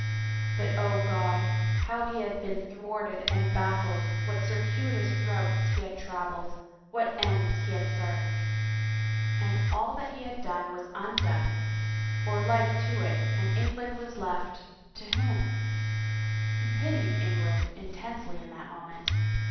But, O God! how he had been thwarted and baffled, what circuitous routes he had traveled, what ends he had served! And 208 A FAREWELL TO GREATNESS all that he had done was undone, or like to it and Eng land was left — to whom? He pitied England intensely in that moment.